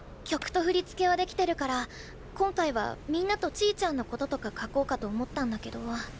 曲と振り付けは出来てるから今回はみんなとちぃちゃんのこととか書こうかと思ったんだけど。